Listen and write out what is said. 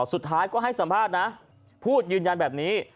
สุดท้ายก็ให้สัมภาษณ์นะพูดยืนยันแบบนี้